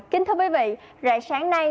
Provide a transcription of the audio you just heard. kính thưa quý vị rạng sáng nay